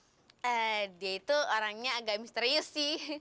eh dia itu orangnya agak misterius sih